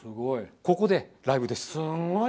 ここでライブです。